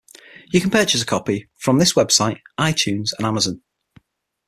You can purchase a copy from this website, iTunes and Amazon.